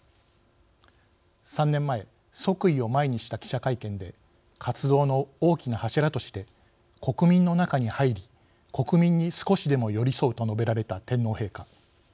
３年前即位を前にした記者会見で活動の大きな柱として「国民の中に入り国民に少しでも寄り添う」と述べられた天皇陛下。